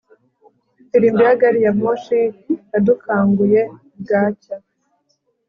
ifirimbi ya gari ya moshi yadukanguye bwacya